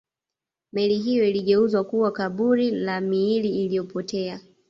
meli hiyo iligeuzwa kuwa kaburi la miili iliyopotea